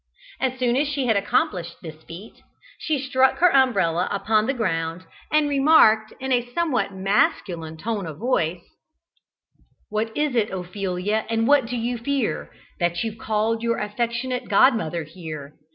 As soon as she had accomplished this feat, she struck her umbrella upon the ground, and remarked in a somewhat masculine tone of voice: "What is it, Ophelia, and what do you fear, That you've called your affectionate godmother here?